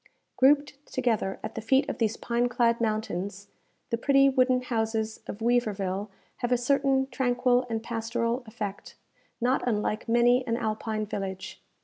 Grouped together at the feet of these pine clad mountains, the pretty wooden houses of Weaverville have a certain tranquil and pastoral effect, not unlike many an Alpine village.